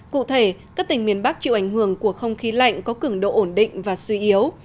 cụ thể các tỉnh miền bắc chịu ảnh hưởng của không khí lạnh có cường độ ổn định và suy yếu